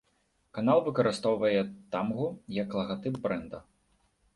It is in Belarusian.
Канал выкарыстоўвае тамгу як лагатып брэнда.